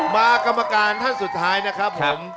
กรรมการท่านสุดท้ายนะครับผม